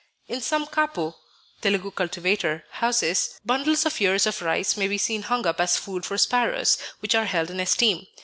In some Kapu (Telugu cultivator) houses, bundles of ears of rice may be seen hung up as food for sparrows, which are held in esteem.